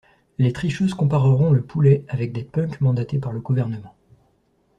Les tricheuses compareront le poulet avec des punks mandatés par le gouvernement.